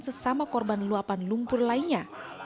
sesama korban luapan lumpur lainnya